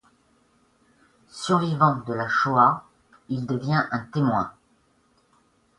Survivant de la Shoah, il devient un témoin.